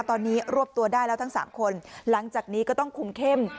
ตอนนี้รวบตัวได้แล้วทั้ง๓คนหลังจากนี้ก็ต้องคุมเข้ม